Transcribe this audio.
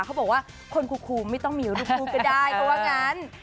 เขาบอกว่าคนคูไม่ต้องมีรูปคู่ก็ได้เขาว่างั้น